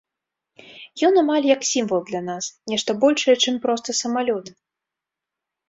Ён амаль як сімвал для нас, нешта большае, чым проста самалёт.